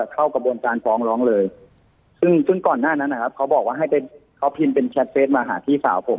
เข้ากระบวนการฟ้องร้องเลยซึ่งซึ่งก่อนหน้านั้นนะครับเขาบอกว่าให้ไปเขาพิมพ์เป็นแชทเฟสมาหาพี่สาวผม